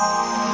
ada tersduk bren